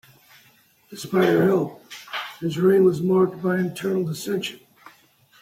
Despite her help, his reign was marked by internal dissension.